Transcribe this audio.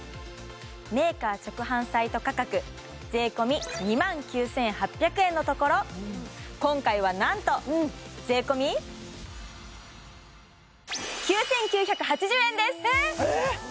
メーカー直販サイト価格税込２万９８００円のところ今回はなんと税込９９８０円です！えっ！？